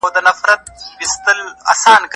موږ کولی سو چې په نویو اسنادو خپل نظر بدل کړو.